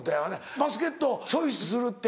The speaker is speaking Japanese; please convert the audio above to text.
バスケットをチョイスするって。